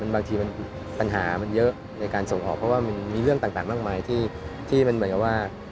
บางทีปัญหามันเยอะในการส่งออกเพราะว่ามันมีเรื่องต่างมากมายที่มันเหมือนกับว่า